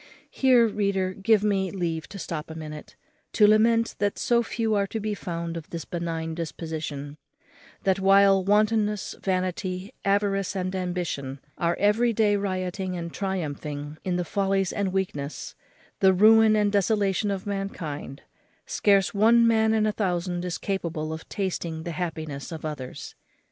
Here, reader, give me leave to stop a minute, to lament that so few are to be found of this benign disposition; that, while wantonness, vanity, avarice, and ambition are every day rioting and triumphing in the follies and weakness, the ruin and desolation of mankind, scarce one man in a thousand is capable of tasting the happiness of others.